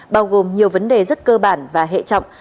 bao gồm nhiều vấn đề rất cơ bản và hệ trọng